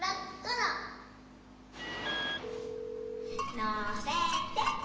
のせて。